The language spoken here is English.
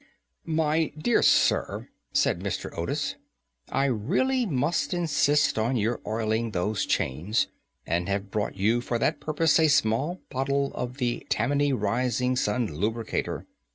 "My dear sir," said Mr. Otis, "I really must insist on your oiling those chains, and have brought you for that purpose a small bottle of the Tammany Rising Sun Lubricator.